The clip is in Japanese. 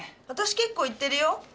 私結構行ってるよ。